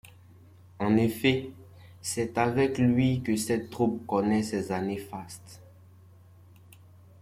En effet, c'est avec lui que cette troupe connaît ses années fastes.